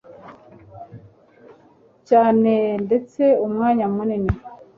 cyaneeee ndetse umwanya munini